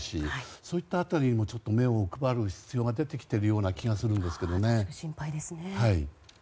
そういった辺りにも目を配る必要が出てきているような気がするんですけどね。